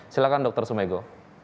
silahkan dr sumego